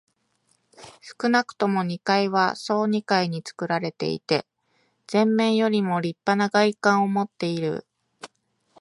少なくとも二階は総二階につくられていて、前面よりもりっぱな外観をもっている。